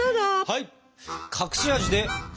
はい！